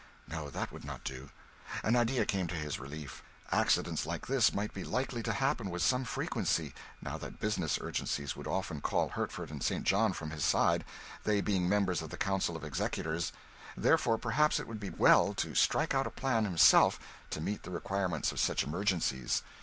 No, that would not do. An idea came to his relief: accidents like this might be likely to happen with some frequency, now that business urgencies would often call Hertford and St. John from his side, they being members of the Council of Executors; therefore perhaps it would be well to strike out a plan himself to meet the requirements of such emergencies.